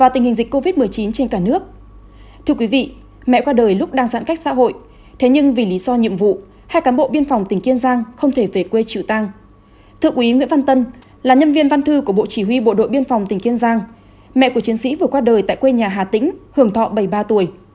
thưa quý vị nguyễn văn tân là nhân viên văn thư của bộ chỉ huy bộ đội biên phòng tỉnh kiên giang mẹ của chiến sĩ vừa qua đời tại quê nhà hà tĩnh hưởng thọ bảy mươi ba tuổi